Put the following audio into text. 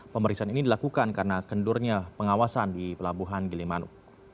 pemeriksaan ini dilakukan karena kendurnya pengawasan di pelabuhan gilimanuk